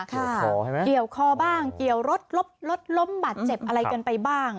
เกี่ยวคอใช่ไหมเกี่ยวคอบ้างเกี่ยวรถรถล้มบาดเจ็บอะไรกันไปบ้าง